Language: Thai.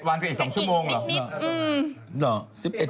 วันกันอีก๒ชั่วโมงเหรอ